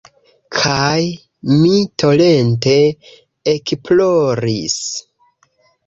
Kaj mi torente ekploris.